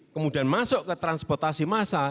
kemudian masuk ke transportasi massal